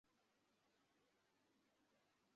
ওপারের জেলেরা কি মাছ ধরিতেছে?